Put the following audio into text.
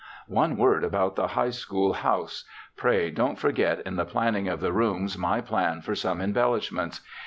'One word about the High School House. Pray, don't forget in the planning of the rooms my plan for some embellishments.